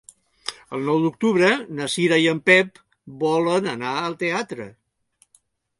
El nou d'octubre na Cira i en Pep volen anar al teatre.